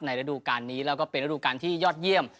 ในระดูกการนี้และเป็นระดูกการที่ยอดเยี่ยม